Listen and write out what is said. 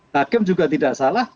hakim juga tidak salah